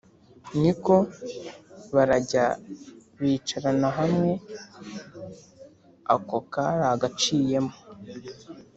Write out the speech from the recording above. niko barajya bicarana hamwe, ako kari agaciyemo